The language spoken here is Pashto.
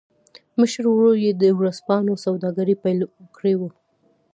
مشر ورور يې د ورځپاڼو سوداګري پیل کړې وه